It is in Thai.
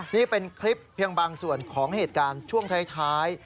นี่เป็นคลิปเพียงบางส่วนของเหตุการณ์ช่วงท้าย